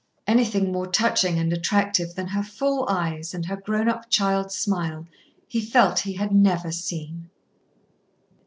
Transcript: Anything more touching and attractive than her full eyes and her grown up child's smile he felt he had never seen.